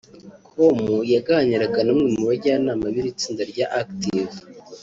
com yaganiraga n’umwe mu bajyanama b’iri tsinda rya Active